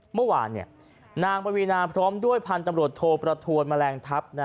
เมื่อวานนางปวีนาพร้อมด้วยพันธุ์ตำรวจโทประทวนแมลงทัพ